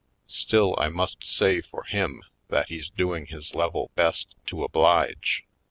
Still, I must say for him that he's doing his level best to oblige.